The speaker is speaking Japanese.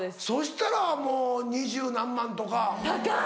そしたらもう２０何万とか。